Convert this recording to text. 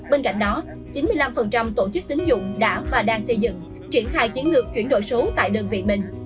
bên cạnh đó chín mươi năm tổ chức tín dụng đã và đang xây dựng triển khai chiến lược chuyển đổi số tại đơn vị mình